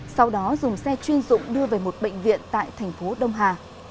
sau đó dùng xe chuyên dụng đưa về một bệnh viện tại thành phố đông hà